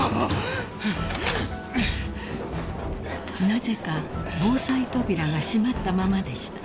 ［なぜか防災扉が閉まったままでした］